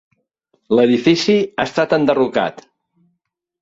L'edifici ha estat enderrocat.